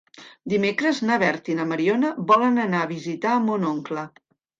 Dimecres na Berta i na Mariona volen anar a visitar mon oncle.